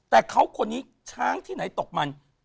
แต่เขาคนนี้ช้างที่ไหนตกมัน